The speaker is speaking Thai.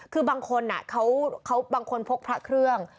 คือบางคนเขาบางคนพกพระเครื่อง